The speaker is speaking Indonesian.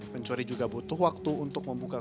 pencuri juga butuh waktu untuk membuka